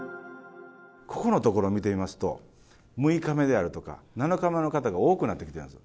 ここのところ見ていますと、６日目であるとか、７日目の方が多くなってきてるんです。